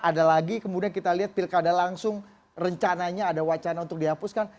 ada lagi kemudian kita lihat pilkada langsung rencananya ada wacana untuk dihapuskan